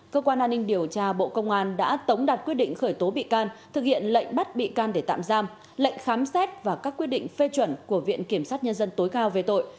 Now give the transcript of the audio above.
cơ quan an ninh điều tra bộ công an đã tống đạt quyết định khởi tố bị can thực hiện lệnh bắt bị can để tạm giam lệnh khám xét và các quyết định phê chuẩn của viện kiểm sát nhân dân tối cao về tội